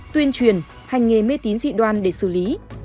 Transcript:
tuyên truyền hành nghề mê tín dị đoan để xử lý